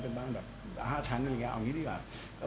เป็นบ้านแบบ๕ชั้นอะไรแบบไงเอาอย่างนี้ดีกว่า